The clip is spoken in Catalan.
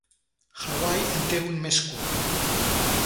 Hawaii en té un més curt.